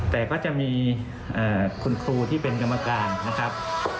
แต่ก็จะมีคุณครูที่เป็นกรรมการนะครับ